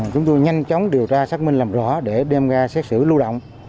chúng tôi nhanh chóng điều tra xác minh làm rõ để đem ra xét xử lưu động